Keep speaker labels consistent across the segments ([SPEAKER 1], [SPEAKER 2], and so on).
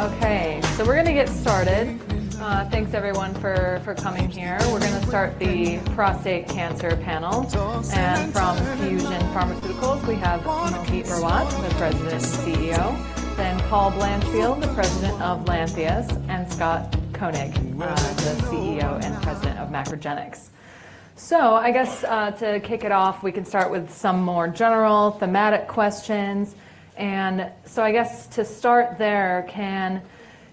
[SPEAKER 1] Okay, so we're going to get started. Thanks, everyone, for coming here. We're going to start the prostate cancer panel, and from Fusion Pharmaceuticals we have Mohit Rawat, the President and CEO, then Paul Blanchfield, the President of Lantheus, and Scott Koenig, the CEO and President of MacroGenics. So I guess to kick it off, we can start with some more general thematic questions. And so I guess to start there, can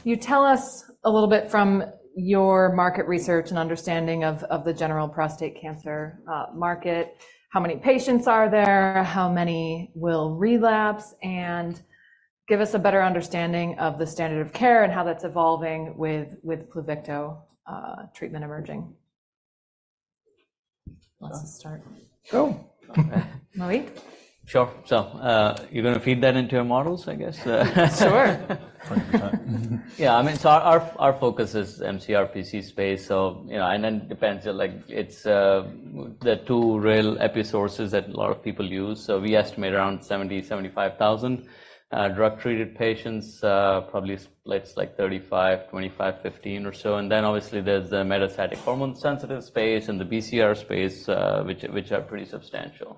[SPEAKER 1] you tell us a little bit from your market research and understanding of the general prostate cancer market, how many patients are there, how many will relapse, and give us a better understanding of the standard of care and how that's evolving with Pluvicto treatment emerging? Let's start.
[SPEAKER 2] Go.
[SPEAKER 1] Mohit?
[SPEAKER 3] Sure. So you're going to feed that into your models, I guess?
[SPEAKER 1] Sure.
[SPEAKER 3] Yeah, I mean, so our focus is mCRPC space, and then it depends. It's the two real epicenters that a lot of people use. So we estimate around 70,000-75,000 drug-treated patients, probably splits like 35,000-25,000 to 15,000 or so. And then obviously there's the metastatic hormone-sensitive space and the BCR space, which are pretty substantial.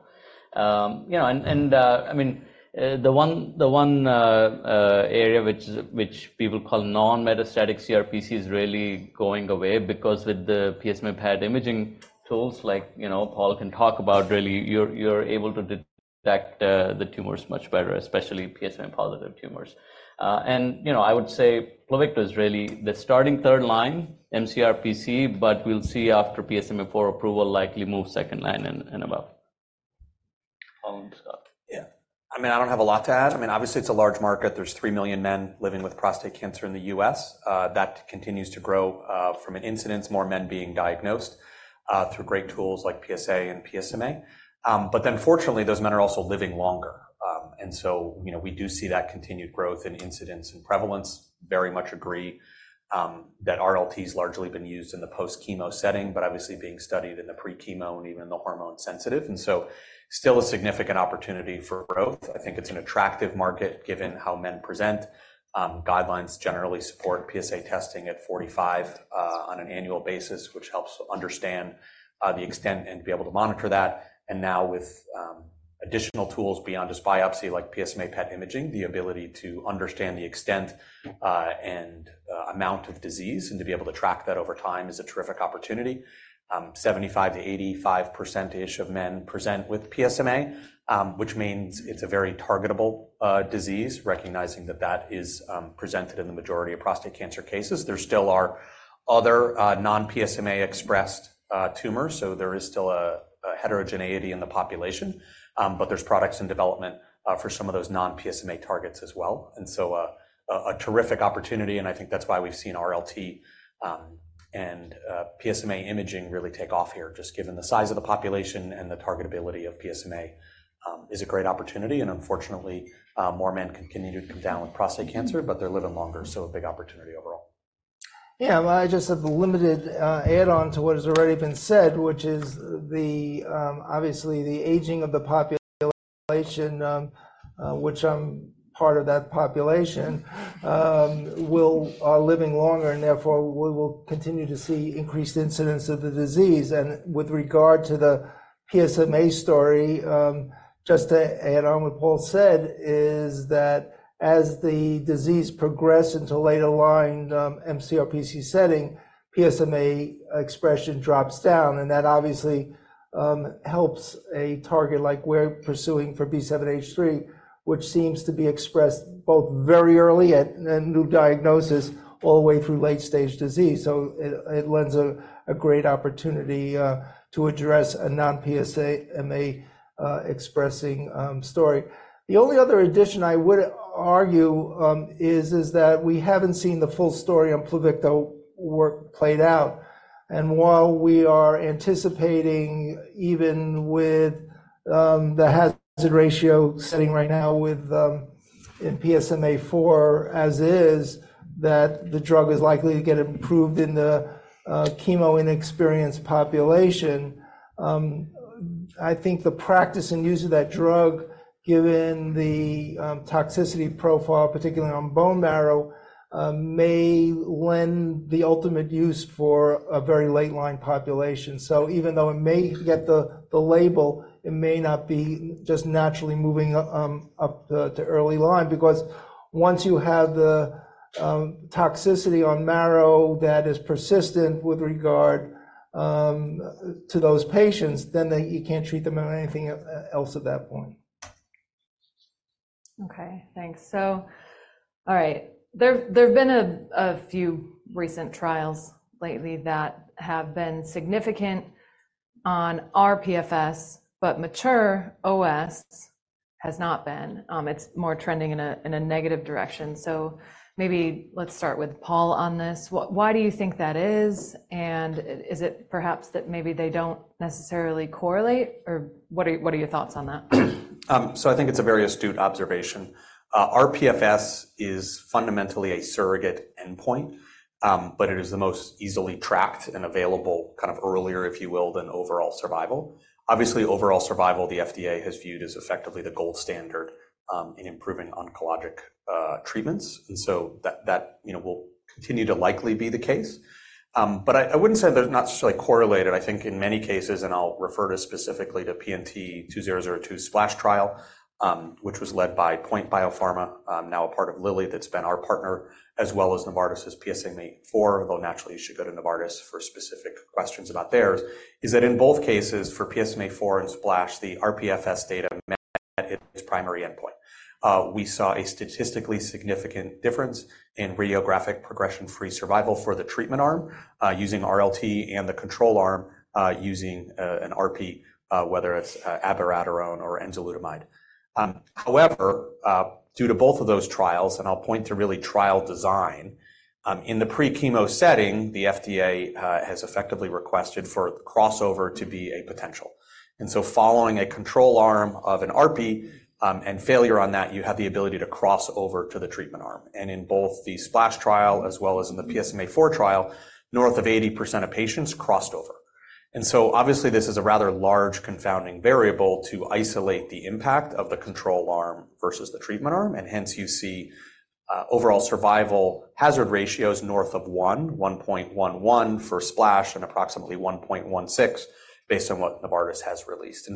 [SPEAKER 3] And I mean, the one area which people call non-metastatic CRPC is really going away because with the PSMA PET imaging tools, like Paul can talk about, really, you're able to detect the tumors much better, especially PSMA-positive tumors. And I would say Pluvicto is really the starting third line, mCRPC, but we'll see after PSMAfore approval likely move second line and above. Paul and Scott.
[SPEAKER 4] Yeah. I mean, I don't have a lot to add. I mean, obviously it's a large market. There's 3 million men living with prostate cancer in the U.S. That continues to grow from an incidence, more men being diagnosed through great tools like PSA and PSMA. But then fortunately, those men are also living longer. And so we do see that continued growth in incidence and prevalence. Very much agree that RLT has largely been used in the post-chemo setting, but obviously being studied in the pre-chemo and even in the hormone-sensitive. And so still a significant opportunity for growth. I think it's an attractive market given how men present. Guidelines generally support PSA testing at 45 on an annual basis, which helps understand the extent and be able to monitor that. Now with additional tools beyond just biopsy like PSMA-PET imaging, the ability to understand the extent and amount of disease and to be able to track that over time is a terrific opportunity. 75%-85% of men present with PSMA, which means it's a very targetable disease, recognizing that that is presented in the majority of prostate cancer cases. There still are other non-PSMA-expressed tumors, so there is still a heterogeneity in the population. But there's products in development for some of those non-PSMA targets as well. And so a terrific opportunity, and I think that's why we've seen RLT and PSMA imaging really take off here, just given the size of the population and the targetability of PSMA is a great opportunity. Unfortunately, more men continue to come down with prostate cancer, but they're living longer, so a big opportunity overall.
[SPEAKER 2] Yeah, well, I just have a limited add-on to what has already been said, which is obviously the aging of the population, which I'm part of that population, are living longer, and therefore we will continue to see increased incidence of the disease. With regard to the PSMA story, just to add on what Paul said is that as the disease progresses into a later-line mCRPC setting, PSMA expression drops down. That obviously helps a target like we're pursuing for B7-H3, which seems to be expressed both very early at a new diagnosis all the way through late-stage disease. So it lends a great opportunity to address a non-PSMA-expressing story. The only other addition I would argue is that we haven't seen the full story on Pluvicto work played out. While we are anticipating, even with the hazard ratio setting right now in PSMAfore as is, that the drug is likely to get improved in the chemo-inexperienced population, I think the practice and use of that drug, given the toxicity profile, particularly on bone marrow, may lend the ultimate use for a very late-line population. So even though it may get the label, it may not be just naturally moving up to early line because once you have the toxicity on marrow that is persistent with regard to those patients, then you can't treat them on anything else at that point.
[SPEAKER 1] Okay, thanks. So all right, there've been a few recent trials lately that have been significant on rPFS, but mature OS has not been. It's more trending in a negative direction. So maybe let's start with Paul on this. Why do you think that is? And is it perhaps that maybe they don't necessarily correlate, or what are your thoughts on that?
[SPEAKER 4] So I think it's a very astute observation. rPFS is fundamentally a surrogate endpoint, but it is the most easily tracked and available kind of earlier, if you will, than overall survival. Obviously, overall survival, the FDA has viewed as effectively the gold standard in improving oncologic treatments. And so that will continue to likely be the case. But I wouldn't say they're not necessarily correlated. I think in many cases, and I'll refer to specifically to PNT-2002 SPLASH trial, which was led by Point Biopharma, now a part of Lilly that's been our partner, as well as Novartis's PSMAfore, although naturally you should go to Novartis for specific questions about theirs, is that in both cases, for PSMAfore and SPLASH, the rPFS data met its primary endpoint. We saw a statistically significant difference in radiographic progression-free survival for the treatment arm using RLT and the control arm using an ARPI, whether it's abiraterone or enzalutamide. However, due to both of those trials, and I'll point to really trial design, in the pre-chemo setting, the FDA has effectively requested for the crossover to be a potential. So following a control arm of an ARRPI and failure on that, you have the ability to cross over to the treatment arm. And in both the SPLASH trial as well as in the PSMAfore trial, north of 80% of patients crossed over. And so obviously, this is a rather large confounding variable to isolate the impact of the control arm versus the treatment arm. And hence, you see overall survival hazard ratios north of 1, 1.11 for SPLASH and approximately 1.16 based on what Novartis has released.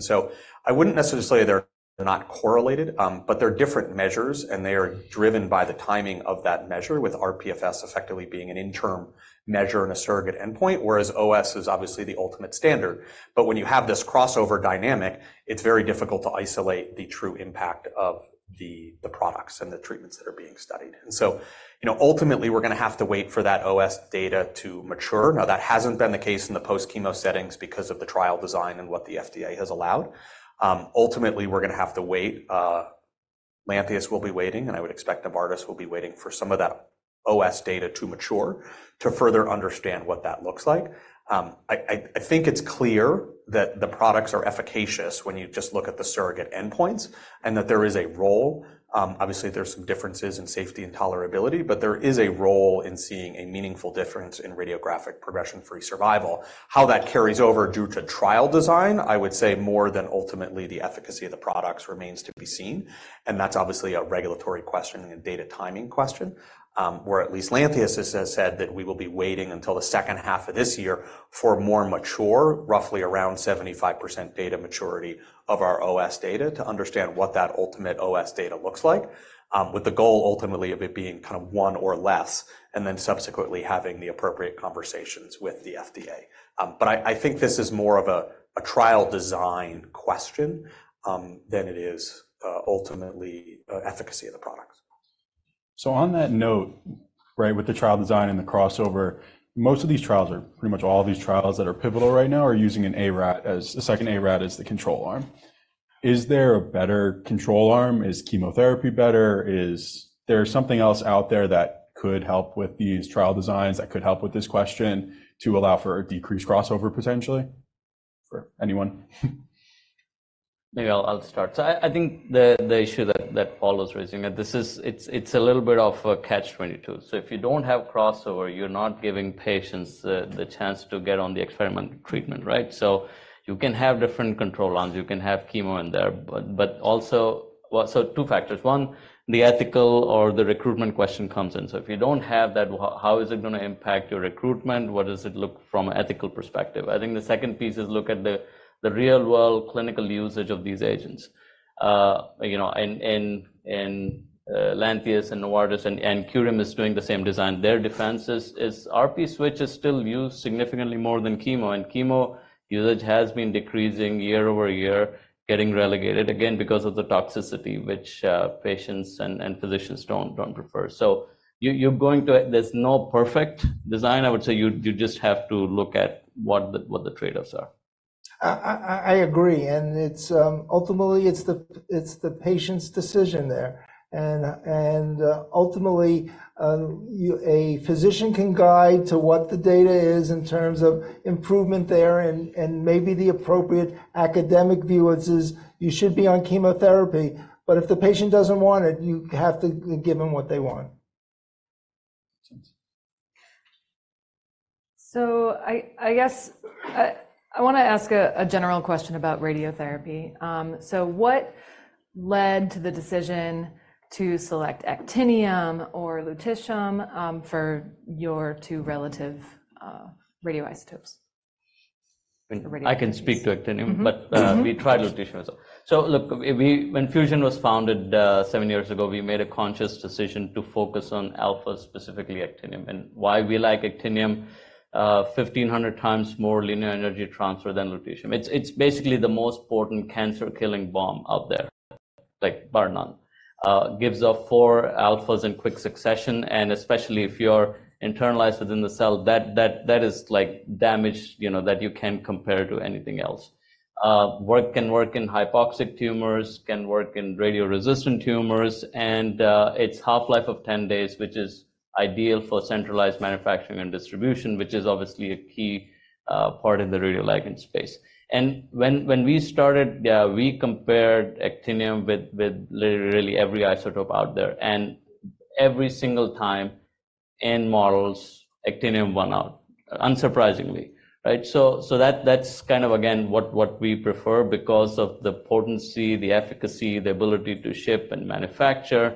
[SPEAKER 4] I wouldn't necessarily say they're not correlated, but they're different measures, and they are driven by the timing of that measure, with rPFS effectively being an interim measure and a surrogate endpoint, whereas OS is obviously the ultimate standard. When you have this crossover dynamic, it's very difficult to isolate the true impact of the products and the treatments that are being studied. Ultimately, we're going to have to wait for that OS data to mature. Now, that hasn't been the case in the post-chemo settings because of the trial design and what the FDA has allowed. Ultimately, we're going to have to wait. Lantheus will be waiting, and I would expect Novartis will be waiting for some of that OS data to mature to further understand what that looks like. I think it's clear that the products are efficacious when you just look at the surrogate endpoints and that there is a role. Obviously, there's some differences in safety and tolerability, but there is a role in seeing a meaningful difference in radiographic progression-free survival. How that carries over due to trial design, I would say more than ultimately the efficacy of the products remains to be seen. And that's obviously a regulatory question and a data timing question, where at least Lantheus has said that we will be waiting until the second half of this year for more mature, roughly around 75% data maturity of our OS data to understand what that ultimate OS data looks like, with the goal ultimately of it being kind of one or less, and then subsequently having the appropriate conversations with the FDA. But I think this is more of a trial design question than it is ultimately efficacy of the products. So on that note, right, with the trial design and the crossover, most of these trials are pretty much all of these trials that are pivotal right now are using an ARAT as the second ARAT is the control arm. Is there a better control arm? Is chemotherapy better? Is there something else out there that could help with these trial designs that could help with this question to allow for a decreased crossover potentially for anyone?
[SPEAKER 3] Maybe I'll start. So I think the issue that Paul was raising, it's a little bit of a catch-22. So if you don't have crossover, you're not giving patients the chance to get on the experimental treatment, right? So you can have different control arms. You can have chemo in there. But also, so two factors. One, the ethical or the recruitment question comes in. So if you don't have that, how is it going to impact your recruitment? What does it look from an ethical perspective? I think the second piece is look at the real-world clinical usage of these agents. And Lantheus and Novartis and Curium is doing the same design. Their defense is ARPI switch is still used significantly more than chemo, and chemo usage has been decreasing year over year, getting relegated, again, because of the toxicity, which patients and physicians don't prefer. There's no perfect design. I would say you just have to look at what the trade-offs are.
[SPEAKER 2] I agree. Ultimately, it's the patient's decision there. Ultimately, a physician can guide to what the data is in terms of improvement there and maybe the appropriate academic view is you should be on chemotherapy, but if the patient doesn't want it, you have to give them what they want.
[SPEAKER 1] I guess I want to ask a general question about radiotherapy. What led to the decision to select Actinium or Lutetium for your two relative radioisotopes?
[SPEAKER 3] I can speak to Actinium, but we tried Lutetium as well. So look, when Fusion was founded 7 years ago, we made a conscious decision to focus on alphas, specifically Actinium. And why we like Actinium? 1,500 times more linear energy transfer than Lutetium. It's basically the most potent cancer-killing bomb out there, like bar none. Gives off 4 alphas in quick succession. And especially if you're internalized within the cell, that is damage that you can't compare to anything else. Can work in hypoxic tumors, can work in radioresistant tumors, and it's half-life of 10 days, which is ideal for centralized manufacturing and distribution, which is obviously a key part in the radioligand space. And when we started, we compared Actinium with literally every isotope out there. And every single time in models, Actinium won out, unsurprisingly, right? So that's kind of, again, what we prefer because of the potency, the efficacy, the ability to ship and manufacture,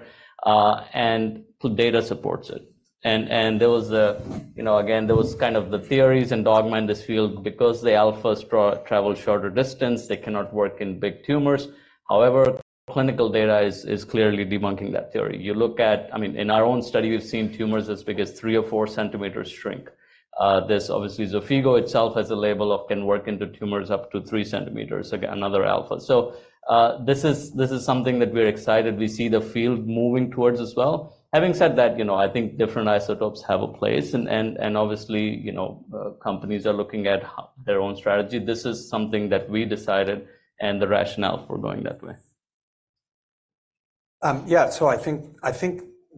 [SPEAKER 3] and data supports it. And again, there was kind of the theories and dogma in this field because the alphas travel shorter distance, they cannot work in big tumors. However, clinical data is clearly debunking that theory. I mean, in our own study, we've seen tumors as big as three or four centimeters shrink. Obviously, Xofigo itself has a label of can work into tumors up to three centimeters, another alpha. So this is something that we're excited. We see the field moving towards as well. Having said that, I think different isotopes have a place. And obviously, companies are looking at their own strategy. This is something that we decided and the rationale for going that way. Yeah, so I think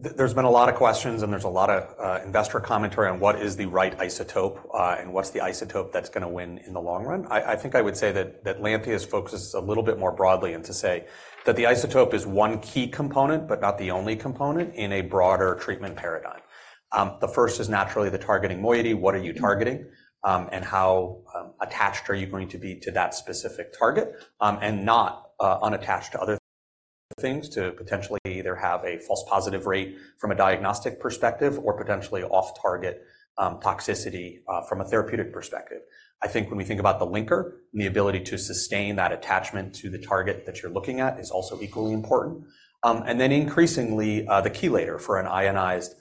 [SPEAKER 3] there's been a lot of questions, and there's a lot of investor commentary on what is the right isotope and what's the isotope that's going to win in the long run. I think I would say that Lantheus focuses a little bit more broadly and to say that the isotope is one key component, but not the only component in a broader treatment paradigm. The first is naturally the targeting moiety. What are you targeting? And how attached are you going to be to that specific target and not unattached to other things to potentially either have a false positive rate from a diagnostic perspective or potentially off-target toxicity from a therapeutic perspective? I think when we think about the linker and the ability to sustain that attachment to the target that you're looking at is also equally important. Then increasingly, the chelator for an ionized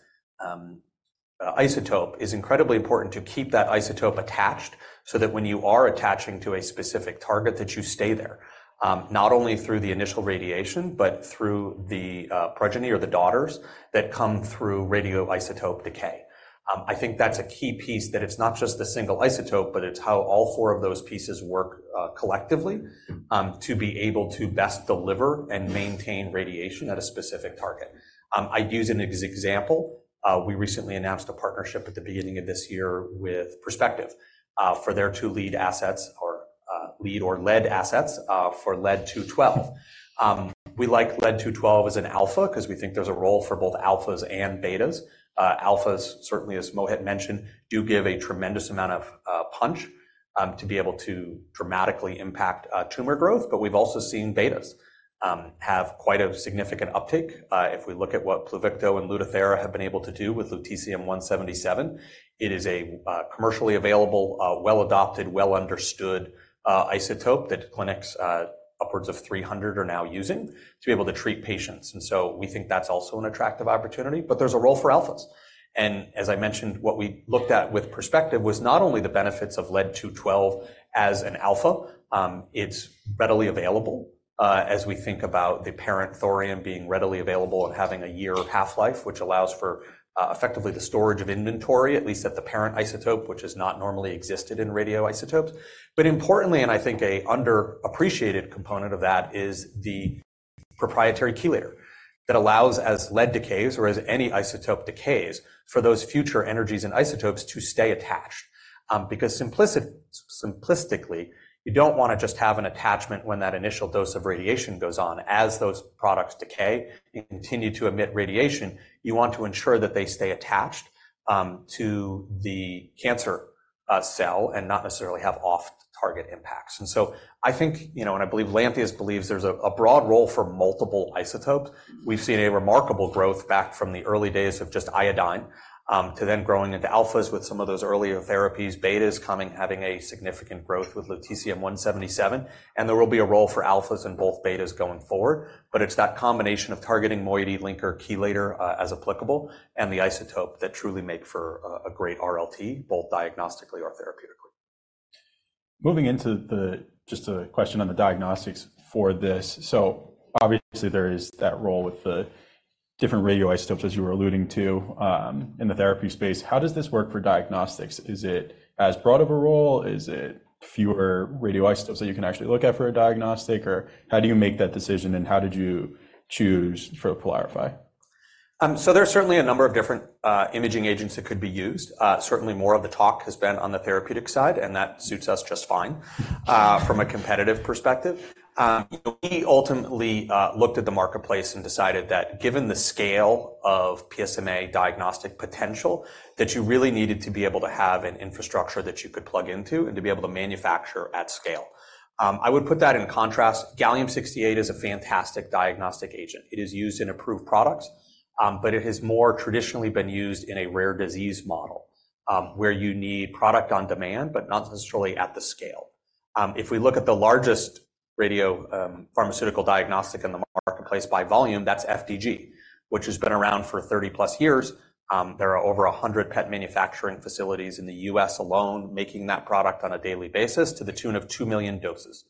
[SPEAKER 3] isotope is incredibly important to keep that isotope attached so that when you are attaching to a specific target, that you stay there, not only through the initial radiation, but through the progeny or the daughters that come through radioisotope decay. I think that's a key piece, that it's not just the single isotope, but it's how all four of those pieces work collectively to be able to best deliver and maintain radiation at a specific target. I'd use an example. We recently announced a partnership at the beginning of this year with Perspective for their two lead assets for Lead-212. We like Lead-212 as an alpha because we think there's a role for both alphas and betas. Alphas, certainly, as Mohit mentioned, do give a tremendous amount of punch to be able to dramatically impact tumor growth. But we've also seen betas have quite a significant uptake. If we look at what Pluvicto and Lutathera have been able to do with lutetium-177, it is a commercially available, well-adopted, well-understood isotope that clinics upwards of 300 are now using to be able to treat patients. And so we think that's also an attractive opportunity. But there's a role for alphas. And as I mentioned, what we looked at with Perspective was not only the benefits of Lead-212 as an alpha. It's readily available as we think about the parent thorium being readily available and having a year half-life, which allows for effectively the storage of inventory, at least at the parent isotope, which has not normally existed in radioisotopes. But importantly, and I think an underappreciated component of that is the proprietary chelator that allows, as lead decays or as any isotope decays, for those future energies and isotopes to stay attached. Because simplistically, you don't want to just have an attachment when that initial dose of radiation goes on. As those products decay and continue to emit radiation, you want to ensure that they stay attached to the cancer cell and not necessarily have off-target impacts. And so I think, and I believe Lantheus believes, there's a broad role for multiple isotopes. We've seen a remarkable growth back from the early days of just iodine to then growing into alphas with some of those earlier therapies, betas coming, having a significant growth with lutetium-177. And there will be a role for alphas and both betas going forward. But it's that combination of targeting moiety, linker, chelator as applicable, and the isotope that truly make for a great RLT, both diagnostically or therapeutically. Moving into just a question on the diagnostics for this. So obviously, there is that role with the different radioisotopes, as you were alluding to, in the therapy space. How does this work for diagnostics? Is it as broad of a role? Is it fewer radioisotopes that you can actually look at for a diagnostic? Or how do you make that decision, and how did you choose for PYLARIFY? So there's certainly a number of different imaging agents that could be used. Certainly, more of the talk has been on the therapeutic side, and that suits us just fine from a competitive perspective. We ultimately looked at the marketplace and decided that given the scale of PSMA diagnostic potential, that you really needed to be able to have an infrastructure that you could plug into and to be able to manufacture at scale. I would put that in contrast. Gallium-68 is a fantastic diagnostic agent. It is used in approved products, but it has more traditionally been used in a rare disease model where you need product on demand, but not necessarily at the scale. If we look at the largest radiopharmaceutical diagnostic in the marketplace by volume, that's FDG, which has been around for 30+ years. There are over 100 PET manufacturing facilities in the U.S. alone making that product on a daily basis to the tune of 2 million doses.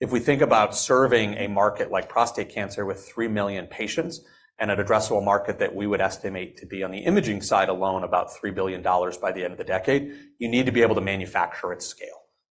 [SPEAKER 3] If we think about serving a market like prostate cancer with 3 million patients and an addressable market that we would estimate to be on the imaging side alone about $3 billion by the end of the decade, you need to be able to manufacture at scale.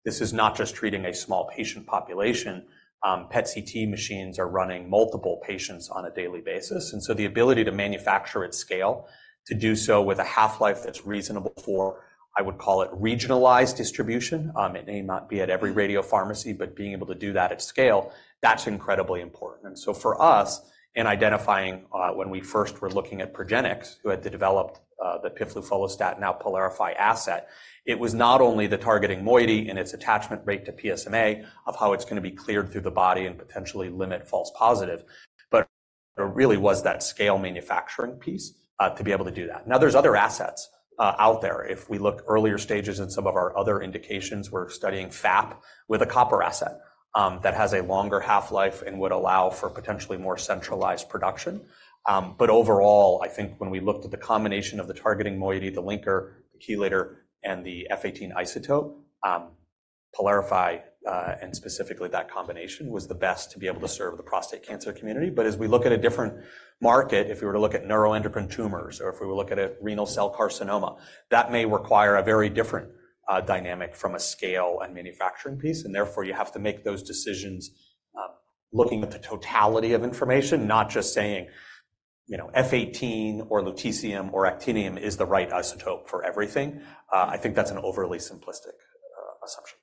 [SPEAKER 3] This is not just treating a small patient population. PET/machines are running multiple patients on a daily basis. And so the ability to manufacture at scale, to do so with a half-life that's reasonable for, I would call it regionalized distribution. It may not be at every radio pharmacy, but being able to do that at scale, that's incredibly important. For us, in identifying when we first were looking at Progenics, who had developed the piflufolastat and now PYLARIFY asset, it was not only the targeting moiety and its attachment rate to PSMA of how it's going to be cleared through the body and potentially limit false positive, but there really was that scale manufacturing piece to be able to do that. Now, there's other assets out there. If we look at earlier stages in some of our other indications, we're studying FAP with a copper asset that has a longer half-life and would allow for potentially more centralized production. But overall, I think when we looked at the combination of the targeting moiety, the linker, the chelator, and the F-18 isotope, PYLARIFY, and specifically that combination was the best to be able to serve the prostate cancer community. But as we look at a different market, if we were to look at neuroendocrine tumors or if we were looking at renal cell carcinoma, that may require a very different dynamic from a scale and manufacturing piece. And therefore, you have to make those decisions looking at the totality of information, not just saying F18 or Lutetium or Actinium is the right isotope for everything. I think that's an overly simplistic assumption.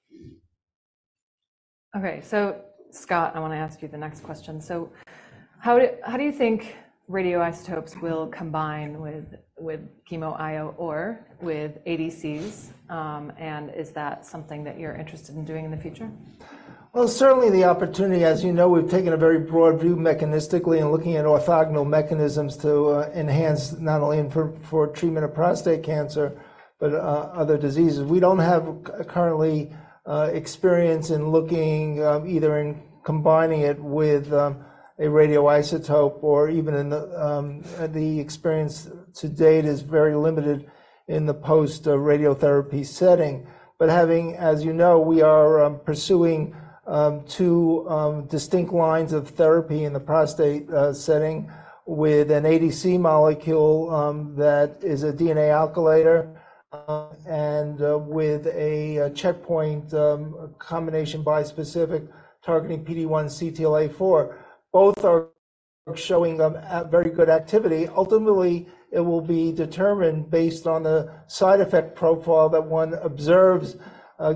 [SPEAKER 1] All right. So Scott, I want to ask you the next question. How do you think radioisotopes will combine with chemo or with ADCs? And is that something that you're interested in doing in the future?
[SPEAKER 2] Well, certainly, the opportunity, as you know, we've taken a very broad view mechanistically and looking at orthogonal mechanisms to enhance not only for treatment of prostate cancer, but other diseases. We don't have currently experience in looking either in combining it with a radioisotope or even in the experience to date is very limited in the post-radiotherapy setting. But as you know, we are pursuing two distinct lines of therapy in the prostate setting with an ADC molecule that is a DNA alkylator and with a checkpoint combination bispecific targeting PD-1 CTLA-4. Both are showing very good activity. Ultimately, it will be determined based on the side effect profile that one observes.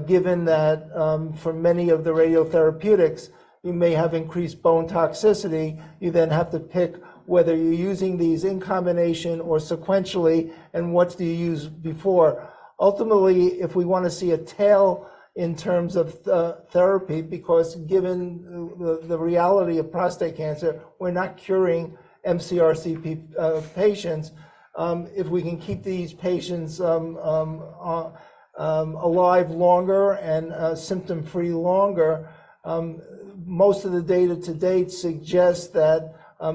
[SPEAKER 2] Given that for many of the radiotherapeutics, you may have increased bone toxicity, you then have to pick whether you're using these in combination or sequentially, and what do you use before? Ultimately, if we want to see a tail in terms of therapy, because given the reality of prostate cancer, we're not curing mCRPC patients, if we can keep these patients alive longer and symptom-free longer, most of the data to date suggests that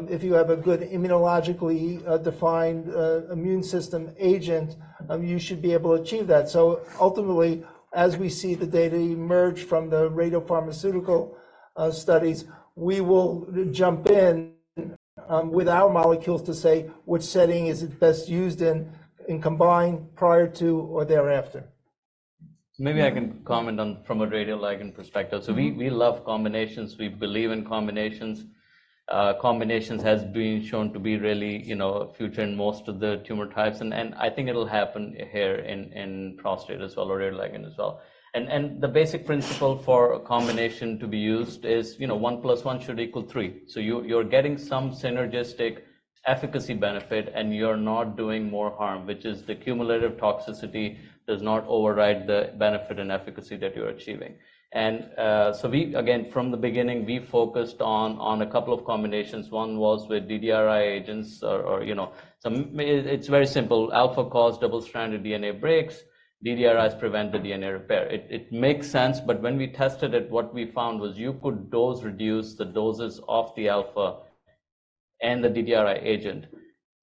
[SPEAKER 2] if you have a good immunologically defined immune system agent, you should be able to achieve that. So ultimately, as we see the data emerge from the radiopharmaceutical studies, we will jump in with our molecules to say which setting is it best used in, combined prior to or thereafter.
[SPEAKER 3] Maybe I can comment from a radioligand perspective. So we love combinations. We believe in combinations. Combinations have been shown to be really future in most of the tumor types. And I think it'll happen here in prostate as well or radioligand as well. And the basic principle for a combination to be used is one plus one should equal three. So you're getting some synergistic efficacy benefit, and you're not doing more harm, which is the cumulative toxicity does not override the benefit and efficacy that you're achieving. And so again, from the beginning, we focused on a couple of combinations. One was with DDRi agents or some it's very simple. Alpha-caused double-stranded DNA breaks. DDRis prevent the DNA repair. It makes sense. But when we tested it, what we found was you could dose-reduce the doses of the alpha and the DDRi agent,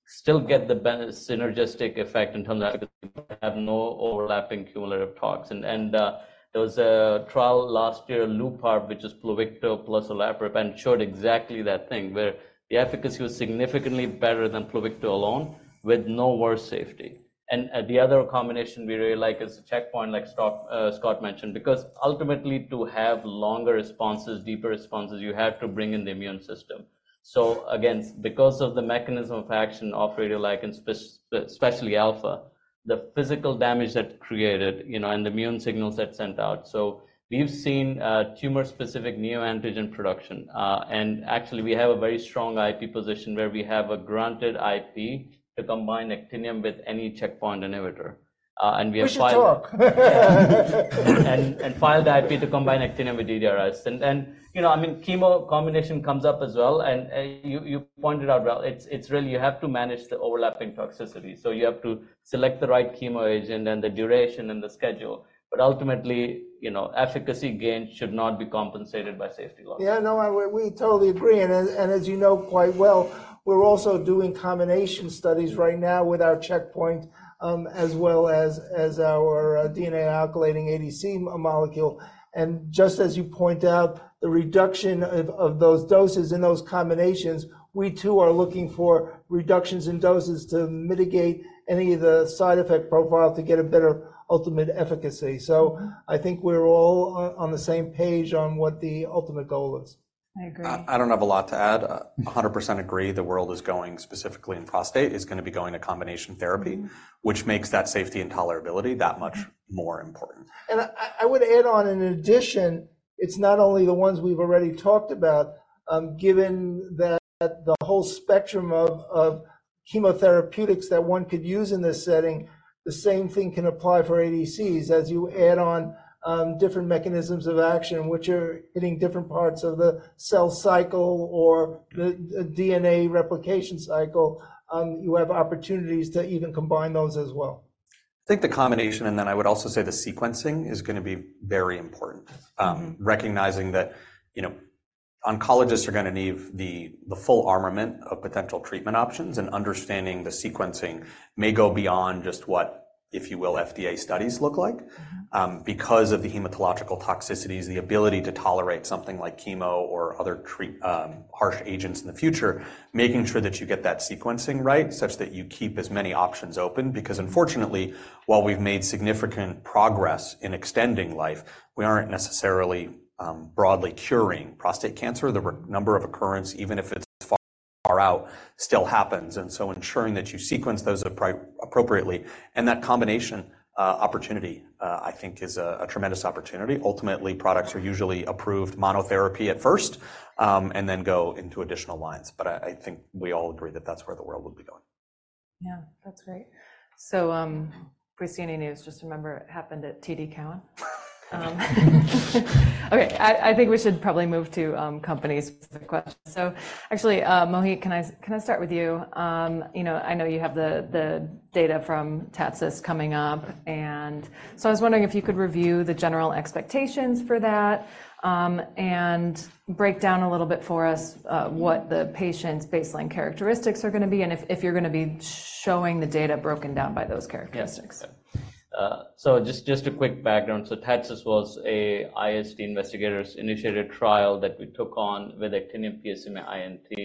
[SPEAKER 3] still get the synergistic effect in terms of efficacy. You have no overlapping cumulative tox. And there was a trial last year, LuPARP, which is Pluvicto plus olaparib, and showed exactly that thing where the efficacy was significantly better than Pluvicto alone with no worse safety. And the other combination we really like is a checkpoint, like Scott mentioned, because ultimately, to have longer responses, deeper responses, you had to bring in the immune system. So again, because of the mechanism of action of radioligand, especially alpha, the physical damage that created and the immune signals that sent out. So we've seen tumor-specific neoantigen production. And actually, we have a very strong IP position where we have a granted IP to combine Actinium with any checkpoint inhibitor. We have filed.
[SPEAKER 2] We should talk.
[SPEAKER 3] Filed IP to combine Actinium with DDRIs. And I mean, chemo combination comes up as well. And you pointed out well, it's really you have to manage the overlapping toxicity. So you have to select the right chemo agent and the duration and the schedule. But ultimately, efficacy gain should not be compensated by safety loss.
[SPEAKER 2] Yeah, no, we totally agree. As you know quite well, we're also doing combination studies right now with our checkpoint as well as our DNA alkylating ADC molecule. Just as you point out, the reduction of those doses in those combinations, we too are looking for reductions in doses to mitigate any of the side effect profile to get a better ultimate efficacy. So I think we're all on the same page on what the ultimate goal is.
[SPEAKER 1] I agree.
[SPEAKER 4] I don't have a lot to add. 100% agree the world is going specifically in prostate is going to be going to combination therapy, which makes that safety and tolerability that much more important.
[SPEAKER 2] I would add on, in addition, it's not only the ones we've already talked about. Given that the whole spectrum of chemotherapeutics that one could use in this setting, the same thing can apply for ADCs. As you add on different mechanisms of action, which are hitting different parts of the cell cycle or the DNA replication cycle, you have opportunities to even combine those as well.
[SPEAKER 4] I think the combination, and then I would also say the sequencing, is going to be very important. Recognizing that oncologists are going to need the full armament of potential treatment options and understanding the sequencing may go beyond just what, if you will, FDA studies look like. Because of the hematological toxicities, the ability to tolerate something like chemo or other harsh agents in the future, making sure that you get that sequencing right such that you keep as many options open. Because unfortunately, while we've made significant progress in extending life, we aren't necessarily broadly curing prostate cancer. The number of occurrence, even if it's far out, still happens. And so ensuring that you sequence those appropriately. And that combination opportunity, I think, is a tremendous opportunity. Ultimately, products are usually approved monotherapy at first and then go into additional lines. But I think we all agree that that's where the world would be going.
[SPEAKER 1] Yeah, that's great. So preceding news, just remember it happened at TD Cowen. Okay, I think we should probably move to companies with the questions. So actually, Mohit, can I start with you? I know you have the data from TATCIST coming up. And so I was wondering if you could review the general expectations for that and break down a little bit for us what the patient's baseline characteristics are going to be and if you're going to be showing the data broken down by those characteristics.
[SPEAKER 3] So just a quick background. TATCIST was an IST investigator-initiated trial that we took on with Actinium-PSMA I&T.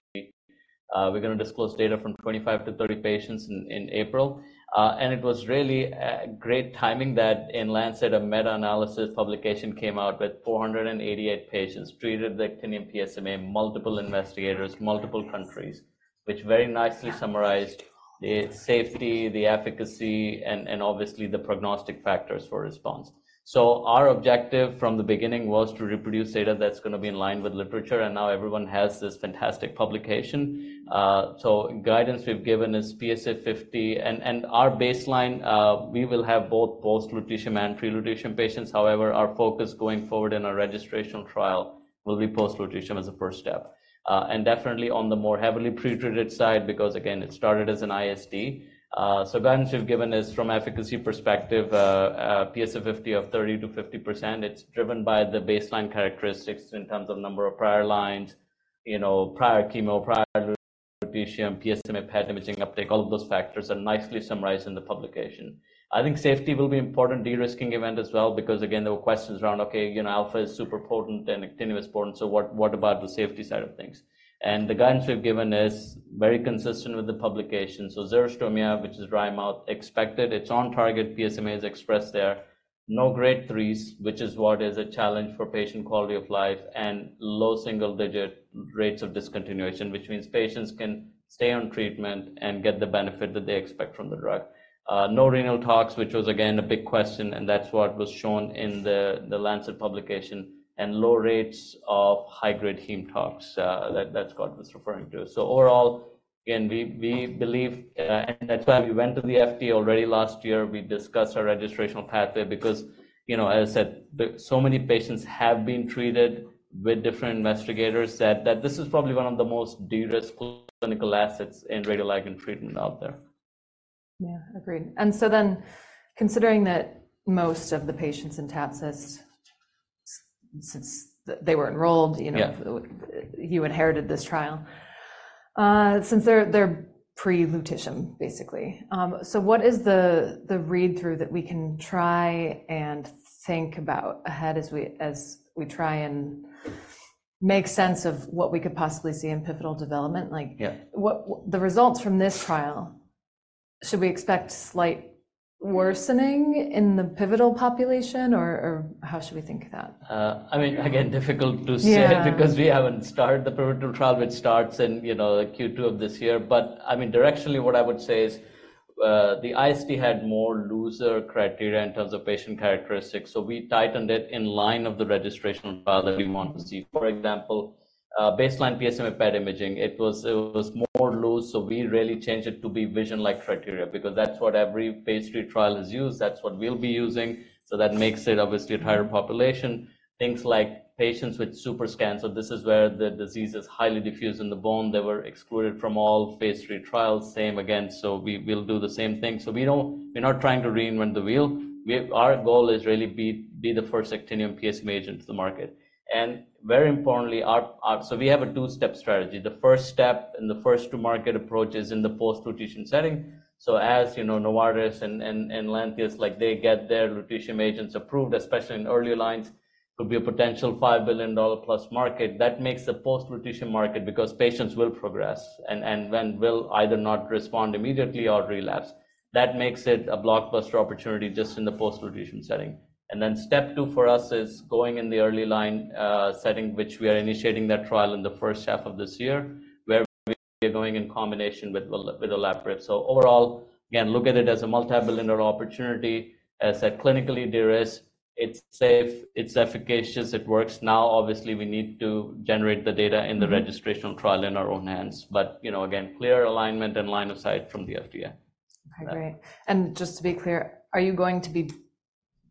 [SPEAKER 3] We're going to disclose data from 25-30 patients in April. And it was really great timing that in Lancet a meta-analysis publication came out with 488 patients treated with Actinium-PSMA I&T, multiple investigators, multiple countries, which very nicely summarized the safety, the efficacy, and obviously the prognostic factors for response. So our objective from the beginning was to reproduce data that's going to be in line with literature. And now everyone has this fantastic publication. So guidance we've given is PSA 50. And our baseline, we will have both post-lutetium and pre-lutetium patients. However, our focus going forward in our registration trial will be post-lutetium as a first step. And definitely on the more heavily pretreated side because again, it started as an IST. So guidance we've given is from efficacy perspective, PSA 50 of 30%-50%. It's driven by the baseline characteristics in terms of number of prior lines, prior chemo, prior lutetium, PSMA PET imaging uptake. All of those factors are nicely summarized in the publication. I think safety will be an important de-risking event as well because again, there were questions around, okay, alpha is super potent and Actinium is potent. So what about the safety side of things? And the guidance we've given is very consistent with the publication. So xerostomia, which is dry mouth, expected. It's on target. PSMA is expressed there. No grade threes, which is a challenge for patient quality of life and low single-digit rates of discontinuation, which means patients can stay on treatment and get the benefit that they expect from the drug. No renal tox, which was again a big question. And that's what was shown in The Lancet publication. And low rates of high-grade heme tox. That's what I was referring to. So overall, again, we believe and that's why we went to the FDA already last year. We discussed our registration pathway because, as I said, so many patients have been treated with different investigators that this is probably one of the most de-risk clinical assets in radioligand treatment out there.
[SPEAKER 1] Yeah, agreed. And so then considering that most of the patients in TATCIST, since they were enrolled, you inherited this trial, since they're pre-lutetium, basically. So what is the read-through that we can try and think about ahead as we try and make sense of what we could possibly see in pivotal development? The results from this trial, should we expect slight worsening in the pivotal population, or how should we think of that?
[SPEAKER 3] I mean, again, difficult to say because we haven't started the pivotal trial. It starts in Q2 of this year. But I mean, directionally, what I would say is the IST had more looser criteria in terms of patient characteristics. So we tightened it in line with the registration trial that we want to see. For example, baseline PSMA PET imaging, it was more loose. So we really changed it to be VISION-like criteria because that's what every phase 3 trial has used. That's what we'll be using. So that makes it obviously a tighter population. Things like patients with super scans. So this is where the disease is highly diffuse in the bone. They were excluded from all phase 3 trials. Same again. So we'll do the same thing. So we're not trying to reinvent the wheel. Our goal is really to be the first Actinium PSMA agent to the market. Very importantly, so we have a two-step strategy. The first step in the first-to-market approach is in the post-lutetium setting. So as Novartis and Lantheus, they get their lutetium agents approved, especially in early lines, could be a potential $5 billion-plus market. That makes the post-lutetium market because patients will progress and will either not respond immediately or relapse. That makes it a blockbuster opportunity just in the post-lutetium setting. And then step two for us is going in the early line setting, which we are initiating that trial in the first half of this year where we are going in combination with olaparib. So overall, again, look at it as a multi-billion opportunity. As I said, clinically de-risked. It's safe. It's efficacious. It works. Now, obviously, we need to generate the data in the registration trial in our own hands. But again, clear alignment and line of sight from the FDA.
[SPEAKER 1] Okay, great. Just to be clear, are you going to be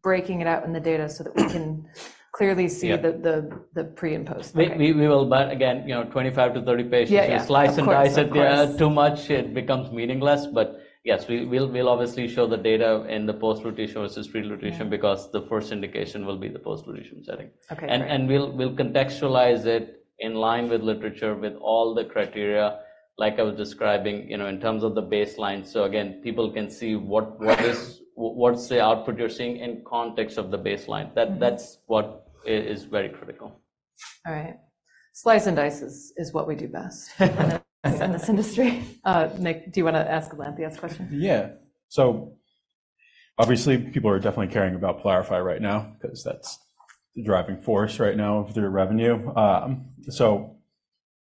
[SPEAKER 1] breaking it out in the data so that we can clearly see the pre and post?
[SPEAKER 3] We will. But again, 25-30 patients, you slice and dice it. Too much, it becomes meaningless. But yes, we'll obviously show the data in the post-lutetium versus pre-lutetium because the first indication will be the post-lutetium setting. And we'll contextualize it in line with literature, with all the criteria like I was describing in terms of the baseline. So again, people can see what's the output you're seeing in context of the baseline. That's what is very critical.
[SPEAKER 1] All right. Slice and dice is what we do best in this industry. Nick, do you want to ask Lantheus a question?
[SPEAKER 4] Yeah. So obviously, people are definitely caring about PYLARIFY right now because that's the driving force right now of their revenue. So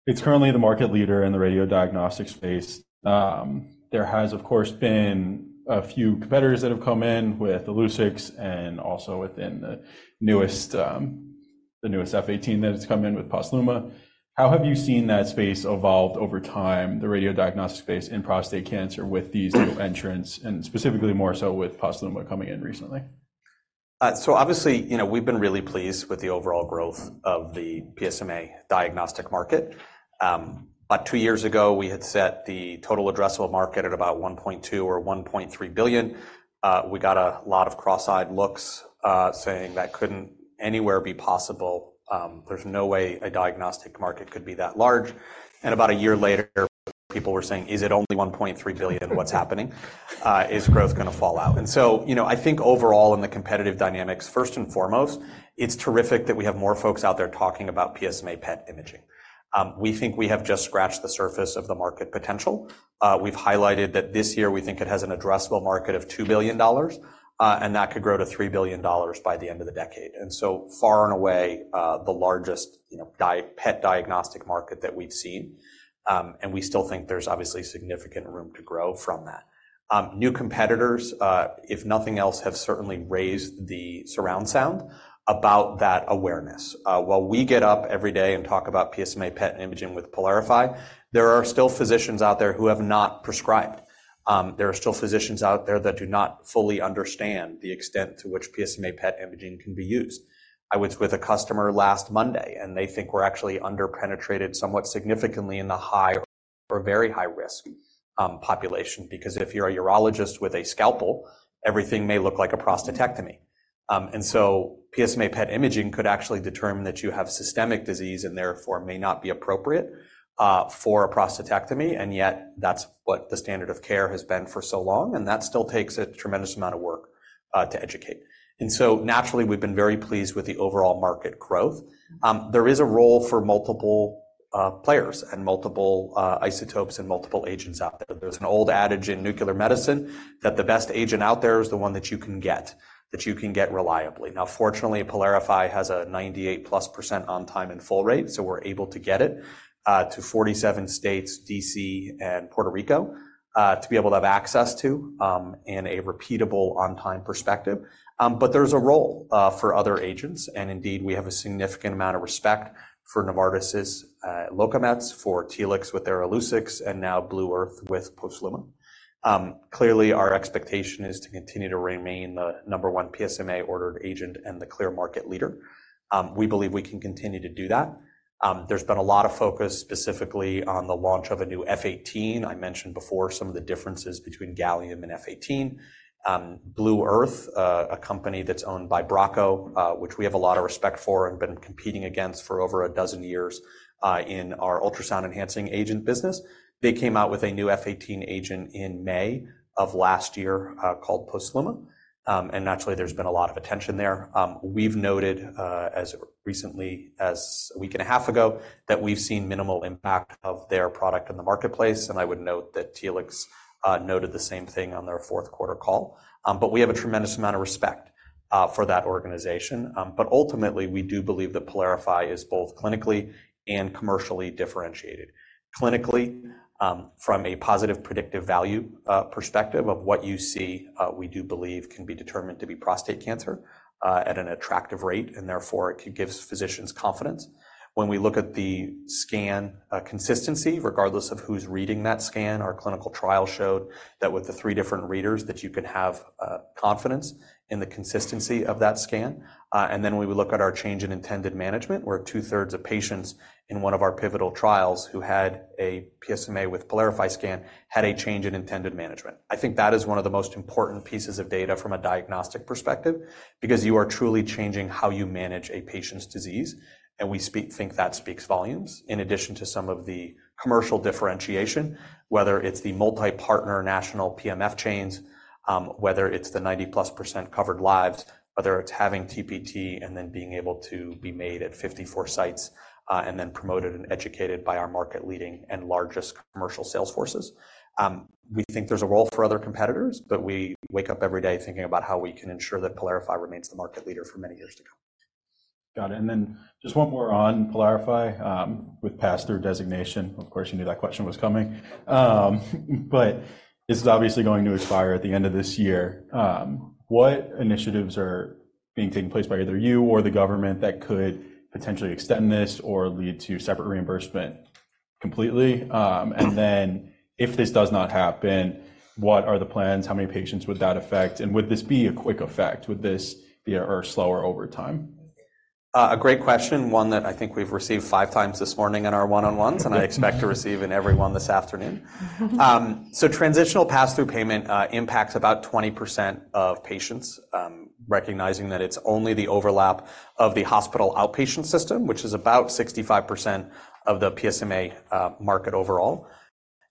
[SPEAKER 4] it's currently the market leader in the radiodiagnostic space. There has, of course, been a few competitors that have come in with Illuccix and also with the newest F-18 that has come in with Posluma. How have you seen that space evolve over time, the radiodiagnostic space in prostate cancer with these new entrants and specifically more so with Posluma coming in recently? So obviously, we've been really pleased with the overall growth of the PSMA diagnostic market. But two years ago, we had set the total addressable market at about $1.2 billion or $1.3 billion. We got a lot of cross-eyed looks saying that couldn't anywhere be possible. There's no way a diagnostic market could be that large. And about a year later, people were saying, "Is it only $1.3 billion? What's happening? Is growth going to fall out?" And so I think overall, in the competitive dynamics, first and foremost, it's terrific that we have more folks out there talking about PSMA PET imaging. We think we have just scratched the surface of the market potential. We've highlighted that this year, we think it has an addressable market of $2 billion, and that could grow to $3 billion by the end of the decade. And so far and away, the largest PET diagnostic market that we've seen. And we still think there's obviously significant room to grow from that. New competitors, if nothing else, have certainly raised the surround sound about that awareness. While we get up every day and talk about PSMA PET imaging with PYLARIFY, there are still physicians out there who have not prescribed. There are still physicians out there that do not fully understand the extent to which PSMA PET imaging can be used. I was with a customer last Monday, and they think we're actually under-penetrated somewhat significantly in the high or very high-risk population because if you're a urologist with a scalpel, everything may look like a prostatectomy. And so PSMA PET imaging could actually determine that you have systemic disease and therefore may not be appropriate for a prostatectomy. And yet, that's what the standard of care has been for so long. And that still takes a tremendous amount of work to educate. And so naturally, we've been very pleased with the overall market growth. There is a role for multiple players and multiple isotopes and multiple agents out there. There's an old adage in nuclear medicine that the best agent out there is the one that you can get, that you can get reliably. Now, fortunately, PYLARIFY has a 98%+ on-time and full rate. So we're able to get it to 47 states, D.C., and Puerto Rico to be able to have access to in a repeatable on-time perspective. But there's a role for other agents. And indeed, we have a significant amount of respect for Novartis' Locametz, for Telix with their Illuccix, and now Blue Earth with Posluma. Clearly, our expectation is to continue to remain the number one PSMA-ordered agent and the clear market leader. We believe we can continue to do that. There's been a lot of focus specifically on the launch of a new F-18. I mentioned before some of the differences between Gallium and F-18. Blue Earth Diagnostics, a company that's owned by Bracco, which we have a lot of respect for and been competing against for over a dozen years in our ultrasound-enhancing agent business, they came out with a new F-18 agent in May of last year called Posluma. Naturally, there's been a lot of attention there. We've noted as recently as a week and a half ago that we've seen minimal impact of their product in the marketplace. I would note that Telix noted the same thing on their fourth-quarter call. We have a tremendous amount of respect for that organization. Ultimately, we do believe that PYLARIFY is both clinically and commercially differentiated. Clinically, from a positive predictive value perspective of what you see, we do believe can be determined to be prostate cancer at an attractive rate. Therefore, it gives physicians confidence. When we look at the scan consistency, regardless of who's reading that scan, our clinical trial showed that with the three different readers, that you can have confidence in the consistency of that scan. And then when we look at our change in intended management, where two-thirds of patients in one of our pivotal trials who had a PSMA with PYLARIFY scan had a change in intended management. I think that is one of the most important pieces of data from a diagnostic perspective because you are truly changing how you manage a patient's disease. And we think that speaks volumes in addition to some of the commercial differentiation, whether it's the multi-partner national PMF chains, whether it's the 90%+ covered lives, whether it's having TPT and then being able to be made at 54 sites and then promoted and educated by our market-leading and largest commercial sales forces. We think there's a role for other competitors, but we wake up every day thinking about how we can ensure that PYLARIFY remains the market leader for many years to come. Got it. Then just one more on PYLARIFY with pass-through designation. Of course, you knew that question was coming. But this is obviously going to expire at the end of this year. What initiatives are taking place by either you or the government that could potentially extend this or lead to separate reimbursement completely? And then if this does not happen, what are the plans? How many patients would that affect? And would this be a quick effect? Would this be a slower over time? A great question, one that I think we've received 5 times this morning in our one-on-ones, and I expect to receive in every one this afternoon. So transitional pass-through payment impacts about 20% of patients, recognizing that it's only the overlap of the hospital outpatient system, which is about 65% of the PSMA market overall.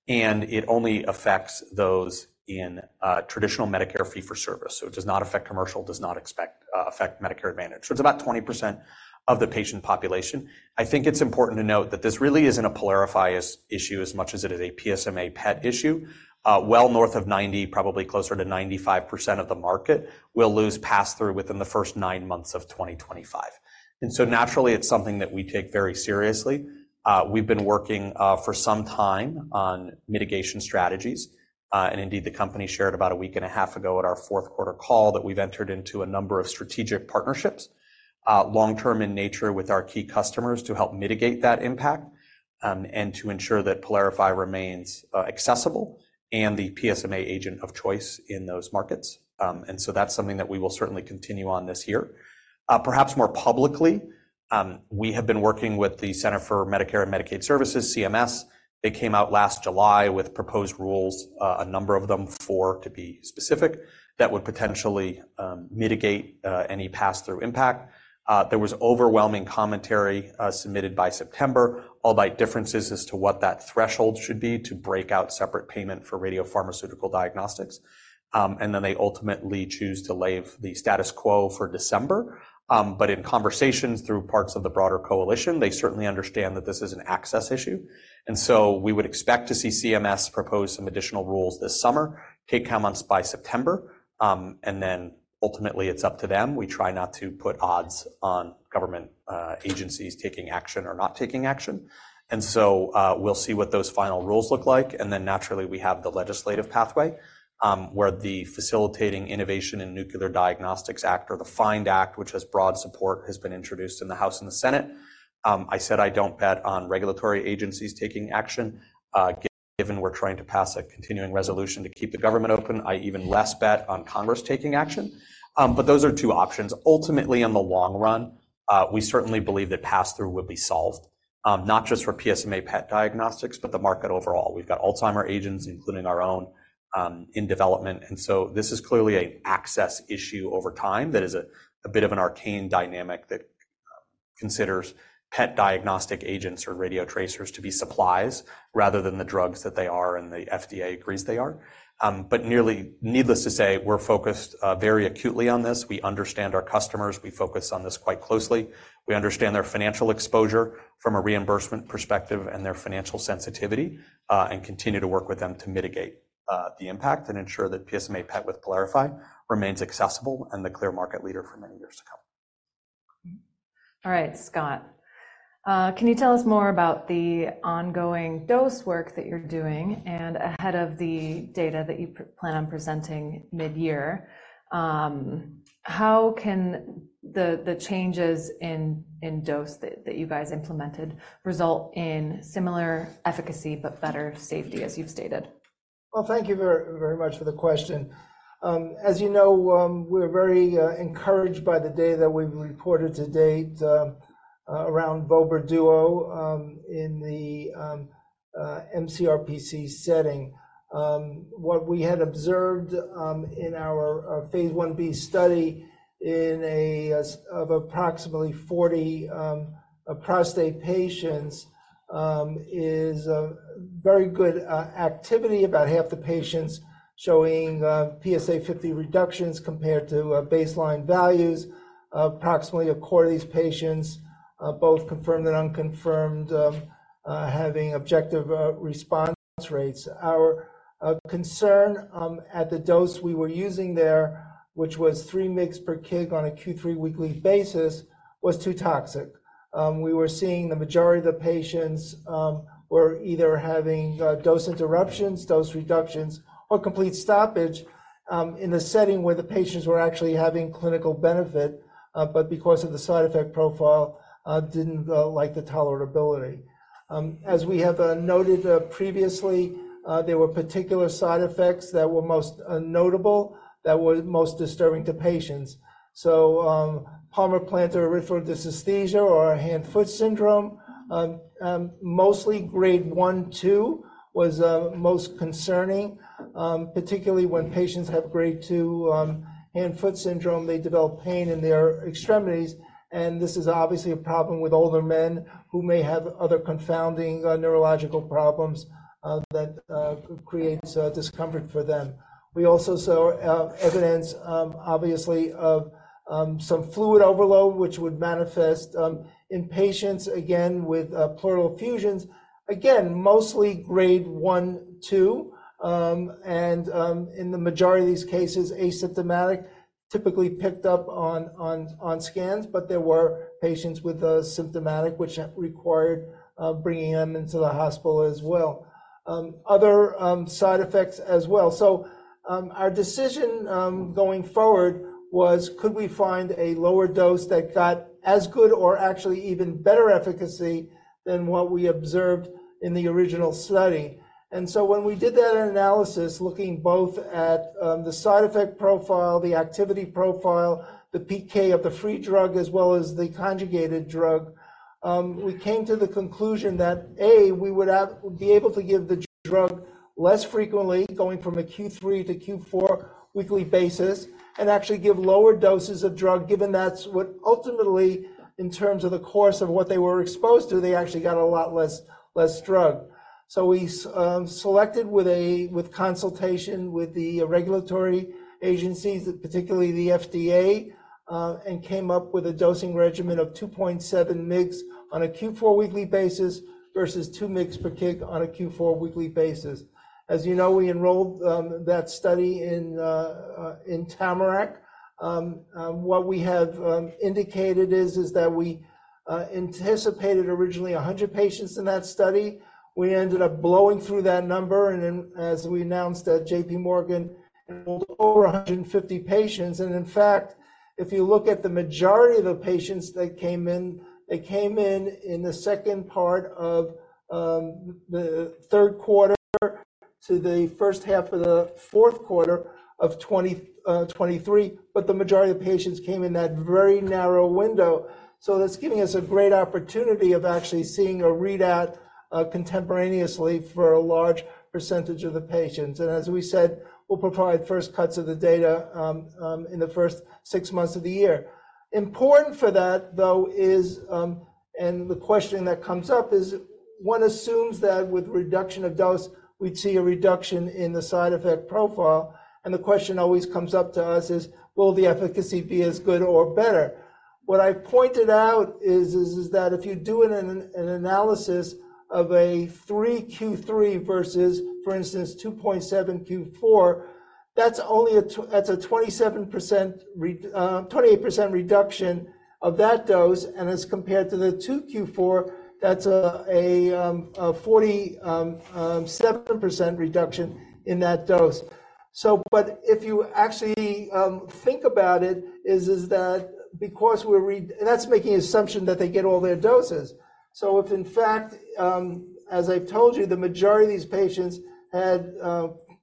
[SPEAKER 4] It only affects those in traditional Medicare fee-for-service. It does not affect commercial, does not affect Medicare Advantage. It's about 20% of the patient population. I think it's important to note that this really isn't a PYLARIFY issue as much as it is a PSMA PET issue. Well north of 90%, probably closer to 95% of the market will lose pass-through within the first 9 months of 2025. And so naturally, it's something that we take very seriously. We've been working for some time on mitigation strategies. Indeed, the company shared about a week and a half ago at our fourth-quarter call that we've entered into a number of strategic partnerships, long-term in nature with our key customers to help mitigate that impact and to ensure that PYLARIFY remains accessible and the PSMA agent of choice in those markets. So that's something that we will certainly continue on this year. Perhaps more publicly, we have been working with the Centers for Medicare and Medicaid Services, CMS. They came out last July with proposed rules, a number of them, 4 to be specific, that would potentially mitigate any pass-through impact. There was overwhelming commentary submitted by September, albeit differences as to what that threshold should be to break out separate payment for radiopharmaceutical diagnostics. Then they ultimately chose to leave the status quo for December. In conversations through parts of the broader coalition, they certainly understand that this is an access issue. We would expect to see CMS propose some additional rules this summer, take comments by September. Ultimately, it's up to them. We try not to put odds on government agencies taking action or not taking action. We'll see what those final rules look like. Naturally, we have the legislative pathway where the Facilitating Innovation in Nuclear Diagnostics Act or the FIND Act, which has broad support, has been introduced in the House and the Senate. I said I don't bet on regulatory agencies taking action. Given we're trying to pass a continuing resolution to keep the government open, I even less bet on Congress taking action. Those are two options. Ultimately, in the long run, we certainly believe that pass-through would be solved, not just for PSMA PET diagnostics, but the market overall. We've got Alzheimer's agents, including our own, in development. And so this is clearly an access issue over time that is a bit of an arcane dynamic that considers PET diagnostic agents or radiotracers to be supplies rather than the drugs that they are and the FDA agrees they are. But needless to say, we're focused very acutely on this. We understand our customers. We focus on this quite closely. We understand their financial exposure from a reimbursement perspective and their financial sensitivity and continue to work with them to mitigate the impact and ensure that PSMA PET with PYLARIFY remains accessible and the clear market leader for many years to come.
[SPEAKER 1] All right, Scott. Can you tell us more about the ongoing dose work that you're doing? And ahead of the data that you plan on presenting mid-year, how can the changes in dose that you guys implemented result in similar efficacy but better safety, as you've stated?
[SPEAKER 2] Well, thank you very much for the question. As you know, we're very encouraged by the data that we've reported to date around vobra duo in the mCRPC setting. What we had observed in our phase 1b study of approximately 40 prostate patients is very good activity, about half the patients showing PSA 50 reductions compared to baseline values. Approximately a quarter of these patients, both confirmed and unconfirmed, having objective response rates. Our concern at the dose we were using there, which was 3 mg per kg on a q3 weekly basis, was too toxic. We were seeing the majority of the patients were either having dose interruptions, dose reductions, or complete stoppage in the setting where the patients were actually having clinical benefit, but because of the side effect profile, didn't like the tolerability. As we have noted previously, there were particular side effects that were most notable that were most disturbing to patients. So palmar-plantar erythrodysesthesia or hand-foot syndrome, mostly grade 1-2, was most concerning, particularly when patients have grade 2 hand-foot syndrome, they develop pain in their extremities. And this is obviously a problem with older men who may have other confounding neurological problems that creates discomfort for them. We also saw evidence, obviously, of some fluid overload, which would manifest in patients, again, with pleural effusions, again, mostly grade 1-2 and in the majority of these cases, asymptomatic, typically picked up on scans. But there were patients with symptomatic, which required bringing them into the hospital as well. Other side effects as well. So our decision going forward was, could we find a lower dose that got as good or actually even better efficacy than what we observed in the original study? And so when we did that analysis, looking both at the side effect profile, the activity profile, the PK of the free drug, as well as the conjugated drug, we came to the conclusion that, A, we would be able to give the drug less frequently, going from a q3 to q4 weekly basis, and actually give lower doses of drug, given that's what ultimately, in terms of the course of what they were exposed to, they actually got a lot less drug. So we selected with consultation with the regulatory agencies, particularly the FDA, and came up with a dosing regimen of 2.7 mg on a q4 weekly basis versus 2 mg per kg on a q4 weekly basis. As you know, we enrolled that study in TAMARACK. What we have indicated is that we anticipated originally 100 patients in that study. We ended up blowing through that number. As we announced at JPMorgan, over 150 patients. In fact, if you look at the majority of the patients that came in, they came in in the second part of the third quarter to the first half of the fourth quarter of 2023. But the majority of patients came in that very narrow window. That's giving us a great opportunity of actually seeing a readout contemporaneously for a large percentage of the patients. As we said, we'll provide first cuts of the data in the first six months of the year. Important for that, though, is and the question that comes up is, one assumes that with reduction of dose, we'd see a reduction in the side effect profile. The question always comes up to us is, will the efficacy be as good or better? What I pointed out is that if you do an analysis of a 3 q3 versus, for instance, 2.7 q4, that's a 27% reduction of that dose. As compared to the 2 q4, that's a 47% reduction in that dose. But if you actually think about it, is that because we're and that's making the assumption that they get all their doses. If, in fact, as I've told you, the majority of these patients had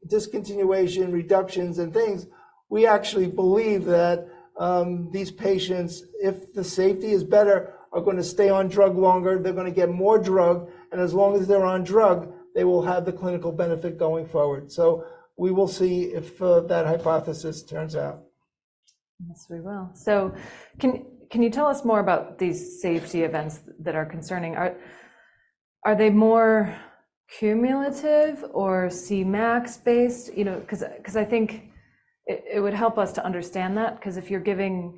[SPEAKER 2] discontinuation, reductions, and things, we actually believe that these patients, if the safety is better, are going to stay on drug longer. They're going to get more drug. As long as they're on drug, they will have the clinical benefit going forward. We will see if that hypothesis turns out.
[SPEAKER 1] Yes, we will. Can you tell us more about these safety events that are concerning? Are they more cumulative or Cmax-based? Because I think it would help us to understand that. Because if you're giving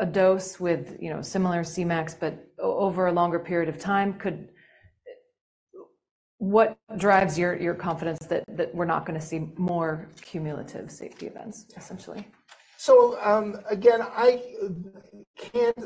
[SPEAKER 1] a dose with similar Cmax, but over a longer period of time, what drives your confidence that we're not going to see more cumulative safety events, essentially?
[SPEAKER 2] So again, I can't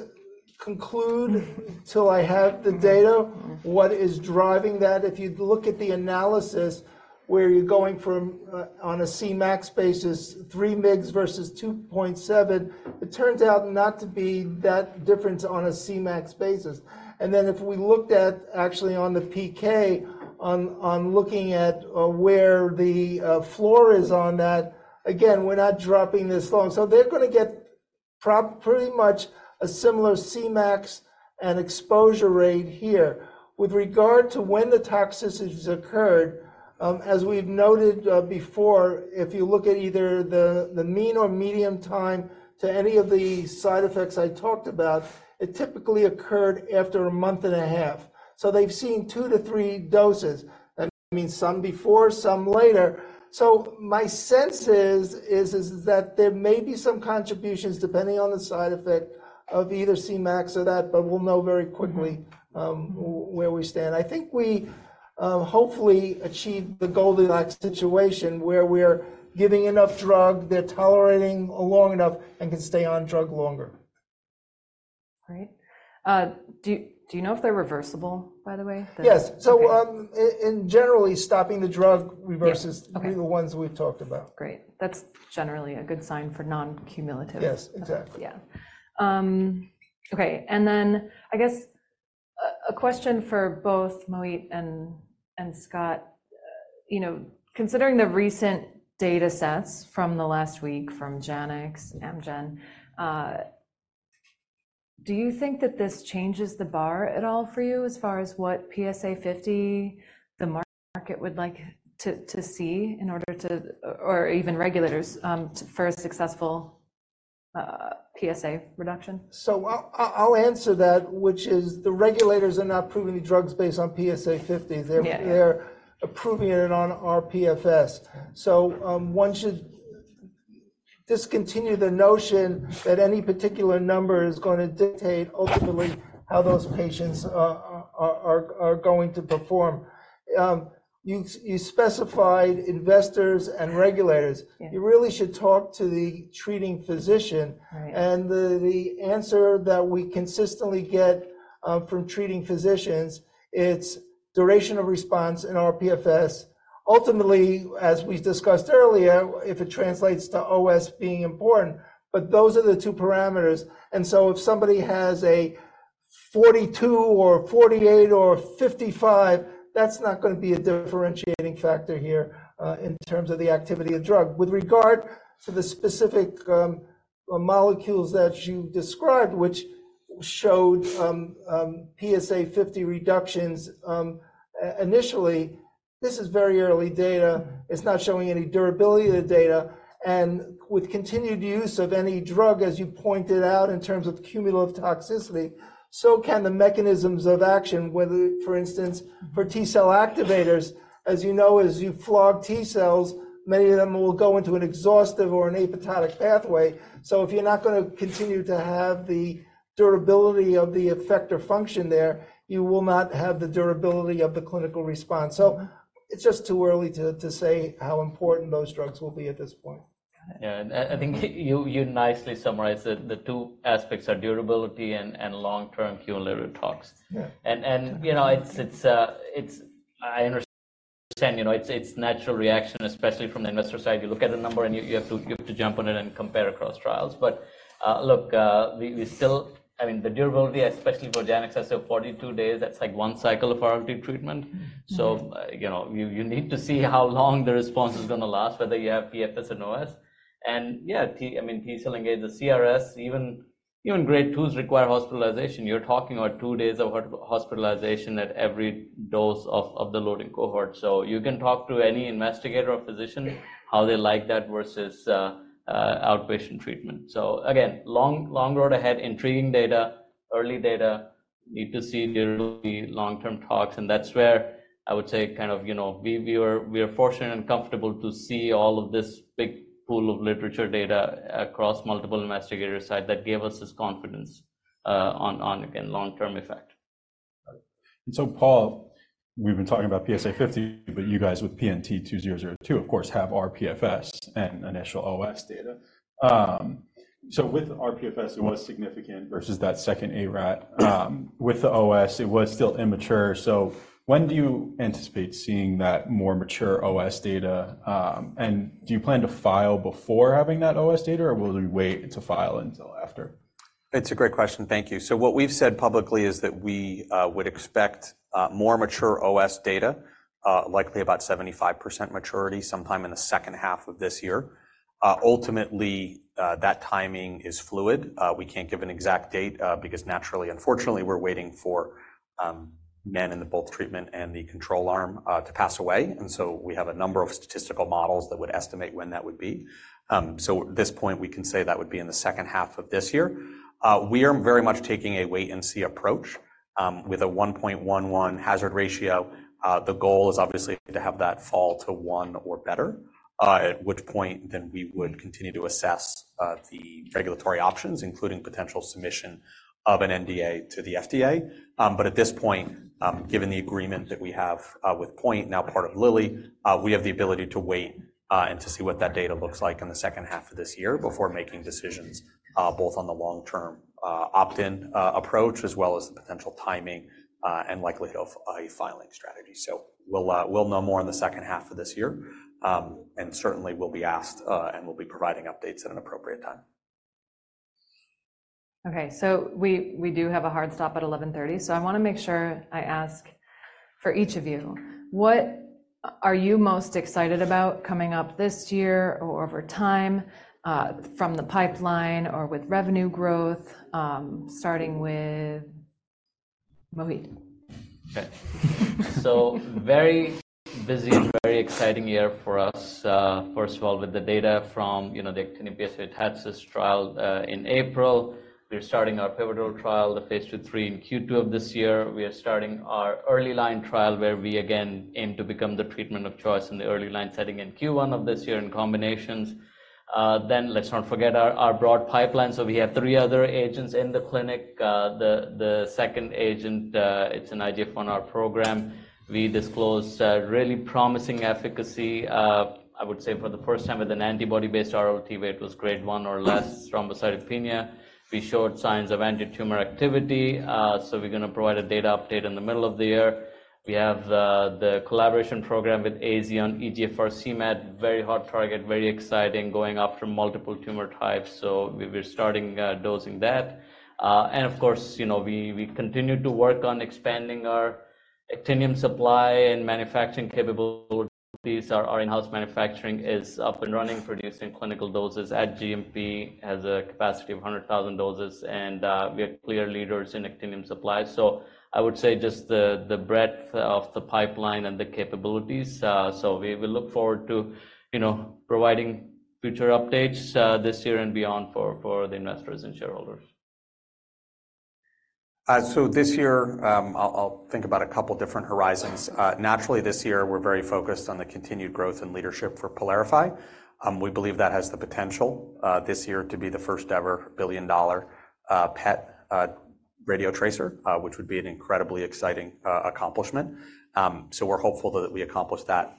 [SPEAKER 2] conclude until I have the data what is driving that. If you look at the analysis where you're going from on a Cmax basis, 3 mix versus 2.7, it turns out not to be that difference on a Cmax basis. And then if we looked at actually on the PK, on looking at where the floor is on that, again, we're not dropping this long. So they're going to get pretty much a similar Cmax and exposure rate here. With regard to when the toxicities occurred, as we've noted before, if you look at either the mean or median time to any of the side effects I talked about, it typically occurred after a month and a half. So they've seen 2-3 doses. That means some before, some later. So my sense is that there may be some contributions depending on the side effect of either Cmax or that. But we'll know very quickly where we stand. I think we hopefully achieved the Goldilocks situation where we're giving enough drug, they're tolerating long enough, and can stay on drug longer.
[SPEAKER 1] Great. Do you know if they're reversible, by the way?
[SPEAKER 2] Yes. So in general, stopping the drug reverses the ones we've talked about.
[SPEAKER 1] Great. That's generally a good sign for non-cumulative.
[SPEAKER 2] Yes, exactly.
[SPEAKER 1] Yeah. Okay. And then I guess a question for both Mohit and Scott. Considering the recent data sets from the last week from Janux, Amgen, do you think that this changes the bar at all for you as far as what PSA 50 the market would like to see in order to or even regulators for a successful PSA reduction?
[SPEAKER 2] I'll answer that, which is the regulators are not approving the drugs based on PSA 50. They're approving it on rPFS. One should discontinue the notion that any particular number is going to dictate ultimately how those patients are going to perform. You specified investors and regulators. You really should talk to the treating physician. The answer that we consistently get from treating physicians is duration of response in rPFS. Ultimately, as we discussed earlier, if it translates to OS, that is important. Those are the two parameters. If somebody has a 42 or 48 or 55, that's not going to be a differentiating factor here in terms of the activity of drug. With regard to the specific molecules that you described, which showed PSA 50 reductions initially, this is very early data. It's not showing any durability of the data. With continued use of any drug, as you pointed out, in terms of cumulative toxicity, so can the mechanisms of action, whether, for instance, for T-cell activators, as you know, as you flog T-cells, many of them will go into an exhaustive or an apathetic pathway. If you're not going to continue to have the durability of the effect or function there, you will not have the durability of the clinical response. It's just too early to say how important those drugs will be at this point.
[SPEAKER 3] Yeah. I think you nicely summarized that the two aspects are durability and long-term cumulative tox. I understand it's a natural reaction, especially from the investor side. You look at the number and you have to jump on it and compare across trials. But look, I mean, the durability, especially for Janux, is 42 days. That's like one cycle of RLT treatment. So you need to see how long the response is going to last, whether you have PFS and OS. Yeah, I mean, T-cell engagers, CRS, even grade 2s require hospitalization. You're talking about two days of hospitalization at every dose of the loading cohort. So you can talk to any investigator or physician how they like that versus outpatient treatment. So again, long road ahead, intriguing data, early data, need to see long-term tox. That's where I would say kind of we were fortunate and comfortable to see all of this big pool of literature data across multiple investigators' side that gave us this confidence on, again, long-term effect.
[SPEAKER 5] So Paul, we've been talking about PSA 50, but you guys with PNT-2002, of course, have rPFS and initial OS data. So with rPFS, it was significant versus that second ARAT. With the OS, it was still immature. So when do you anticipate seeing that more mature OS data? And do you plan to file before having that OS data, or will we wait to file until after?
[SPEAKER 4] It's a great question. Thank you. So what we've said publicly is that we would expect more mature OS data, likely about 75% maturity sometime in the second half of this year. Ultimately, that timing is fluid. We can't give an exact date because, naturally, unfortunately, we're waiting for men in the both treatment and the control arm to pass away. And so we have a number of statistical models that would estimate when that would be. So at this point, we can say that would be in the second half of this year. We are very much taking a wait-and-see approach with a 1.11 hazard ratio. The goal is obviously to have that fall to 1 or better, at which point then we would continue to assess the regulatory options, including potential submission of an NDA to the FDA. At this point, given the agreement that we have with Point, now part of Lilly, we have the ability to wait and to see what that data looks like in the second half of this year before making decisions both on the long-term opt-in approach as well as the potential timing and likelihood of a filing strategy. We'll know more in the second half of this year. Certainly, we'll be asked and we'll be providing updates at an appropriate time.
[SPEAKER 1] Okay. So we do have a hard stop at 11:30. So I want to make sure I ask for each of you. What are you most excited about coming up this year or over time from the pipeline or with revenue growth, starting with Mohit?
[SPEAKER 3] Okay. So very busy and very exciting year for us, first of all, with the data from the Actinium-PSMA TATCIST trial in April. We're starting our pivotal trial, the phase 2/3 in Q2 of this year. We are starting our early line trial where we, again, aim to become the treatment of choice in the early line setting in Q1 of this year in combinations. Then let's not forget our broad pipeline. So we have three other agents in the clinic. The second agent, it's an IGF-1R program. We disclosed really promising efficacy, I would say, for the first time with an antibody-based RLT, where it was grade 1 or less thrombocytopenia. We showed signs of anti-tumor activity. So we're going to provide a data update in the middle of the year. We have the collaboration program with AZ on EGFR-cMET, very hot target, very exciting, going after multiple tumor types. So we're starting dosing that. And of course, we continue to work on expanding our Actinium supply and manufacturing capabilities. Our in-house manufacturing is up and running, producing clinical doses. At GMP, it has a capacity of 100,000 doses. And we are clear leaders in Actinium supply. So I would say just the breadth of the pipeline and the capabilities. So we will look forward to providing future updates this year and beyond for the investors and shareholders.
[SPEAKER 4] So this year, I'll think about a couple of different horizons. Naturally, this year, we're very focused on the continued growth and leadership for PYLARIFY. We believe that has the potential this year to be the first-ever billion-dollar PET radiotracer, which would be an incredibly exciting accomplishment. So we're hopeful that we accomplish that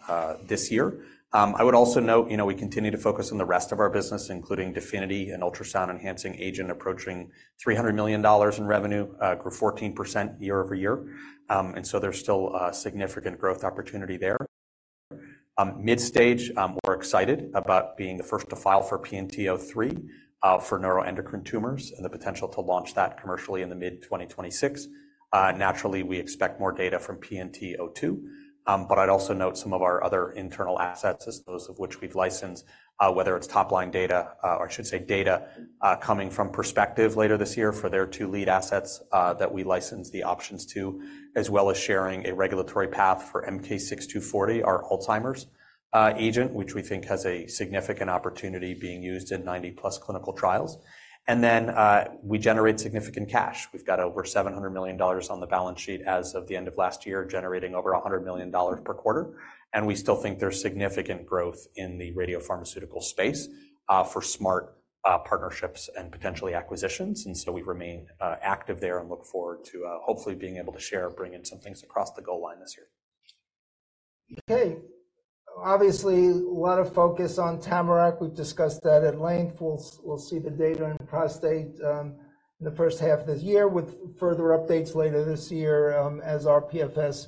[SPEAKER 4] this year. I would also note we continue to focus on the rest of our business, including DEFINITY and ultrasound-enhancing agent approaching $300 million in revenue, grew 14% year-over-year. And so there's still significant growth opportunity there. Mid-stage, we're excited about being the first to file for PNT-2003 for neuroendocrine tumors and the potential to launch that commercially in the mid-2026. Naturally, we expect more data from PNT-2002. But I'd also note some of our other internal assets, those of which we've licensed, whether it's top-line data or I should say data coming from Perspective later this year for their two lead assets that we license the options to, as well as sharing a regulatory path for MK-6240, our Alzheimer's agent, which we think has a significant opportunity being used in 90+ clinical trials. We generate significant cash. We've got over $700 million on the balance sheet as of the end of last year, generating over $100 million per quarter. We still think there's significant growth in the radiopharmaceutical space for smart partnerships and potentially acquisitions. So we remain active there and look forward to hopefully being able to share, bring in some things across the goal line this year.
[SPEAKER 2] Okay. Obviously, a lot of focus on TAMARACK. We've discussed that at length. We'll see the data in prostate in the first half of this year with further updates later this year as rPFS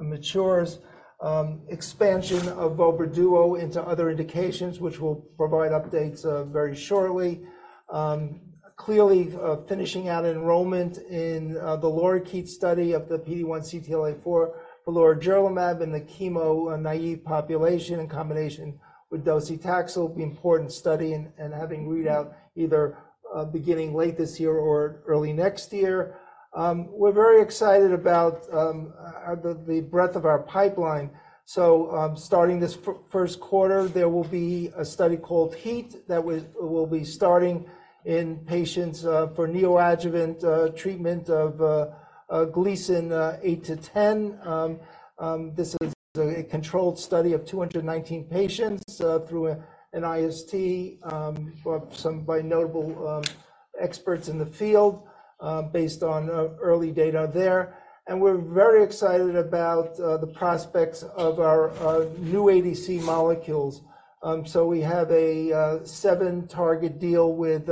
[SPEAKER 2] matures. Expansion of vobra duo into other indications, which we'll provide updates very shortly. Clearly, finishing out enrollment in the LORIKEET study of the PD-1 CTLA-4, the lorigerlimab, and the chemo-naïve population in combination with docetaxel, be an important study and having readout either beginning late this year or early next year. We're very excited about the breadth of our pipeline. So starting this first quarter, there will be a study called HEAT that will be starting in patients for neoadjuvant treatment of Gleason 8-10. This is a controlled study of 219 patients through an IST by notable experts in the field based on early data there. We're very excited about the prospects of our new ADC molecules. So we have a 7-target deal with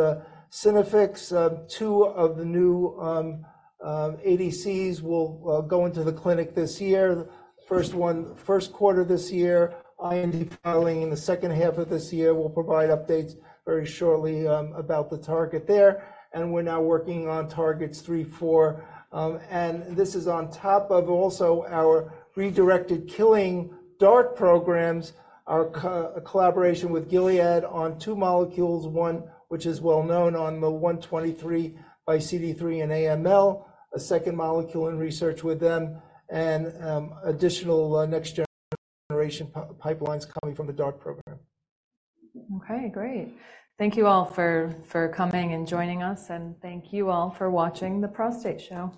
[SPEAKER 2] Synaffix. 2 of the new ADCs will go into the clinic this year, first quarter this year. IND filing in the second half of this year. We'll provide updates very shortly about the target there. And we're now working on targets 3, 4. And this is on top of also our redirected killing DART programs, our collaboration with Gilead on 2 molecules, one which is well known on the CD123 x CD3 and AML, a second molecule in research with them, and additional next-generation pipelines coming from the DART program.
[SPEAKER 1] Okay. Great. Thank you all for coming and joining us. Thank you all for watching The Prostate Show.